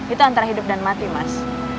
itu antara hidup dan mati mas